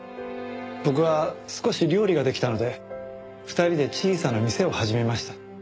僕は少し料理ができたので２人で小さな店を始めました。